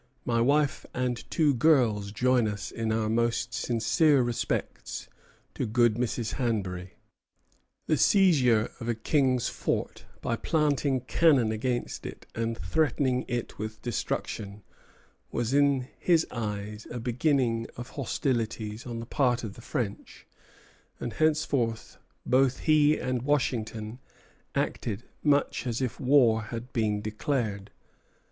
My wife and two girls join in our most sincere respects to good Mrs. Hanbury." Dinwiddie to Hanbury, 10 May, 1754. The seizure of a king's fort by planting cannon against it and threatening it with destruction was in his eyes a beginning of hostilities on the part of the French; and henceforth both he and Washington acted much as if war had been declared.